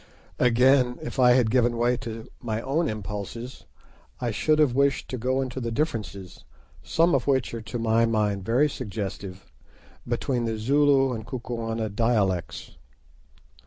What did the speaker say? Again, if I had given way to my own impulses, I should have wished to go into the differences, some of which are to my mind very suggestive, between the Zulu and Kukuana dialects.